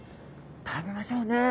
食べましょうね。